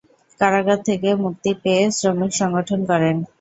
কারাগার থেকে মুক্তি পেয়ে শ্রমিক সংগঠন করেন।